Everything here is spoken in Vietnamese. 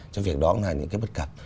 cho việc đó là những cái bất cập